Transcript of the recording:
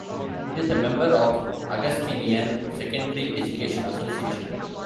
It is a member of the Augustinian Secondary Education Association.